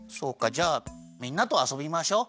じゃあみんなとあそびましょう。